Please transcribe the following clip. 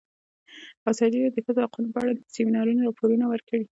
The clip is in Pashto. ازادي راډیو د د ښځو حقونه په اړه د سیمینارونو راپورونه ورکړي.